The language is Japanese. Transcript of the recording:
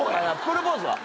プロポーズは？